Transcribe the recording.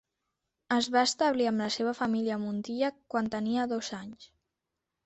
Es va establir amb la seva família a Montilla quan tenia dos anys.